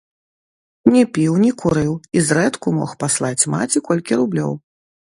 Не піў, не курыў і зрэдку мог паслаць маці колькі рублёў.